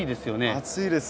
暑いです。